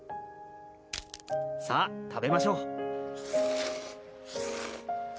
さあ食べましょう